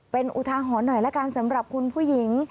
เป็นอุทาหรณ์หน่อยละกันสำหรับคุณผู้หญิง